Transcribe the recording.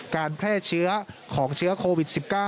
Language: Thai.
แพร่เชื้อของเชื้อโควิด๑๙